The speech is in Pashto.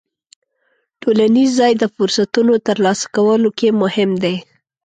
ټولنیز ځای د فرصتونو ترلاسه کولو کې مهم دی.